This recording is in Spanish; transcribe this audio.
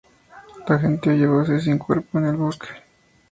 La gente oye voces sin cuerpo en el bosque.